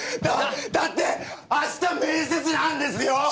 だだって明日面接なんですよ？